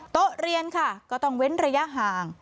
โต๊ะเรียนค่ะก็ต้องเว้นระยะห่าง